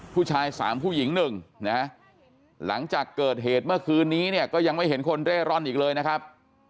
ผู้ชาย๓ผู้หญิง๑นะฮะหลังจากเกิดเหตุเมื่อคืนนี้เนี่ยก็ยังไม่เห็นคนเร่ร่อนอีกเลยนะครับ